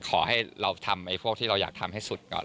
ขอให้เราทำพวกที่เราอยากทำให้สุดก่อน